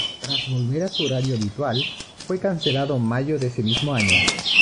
Tras volver a su horario habitual, fue cancelado en mayo de ese mismo año.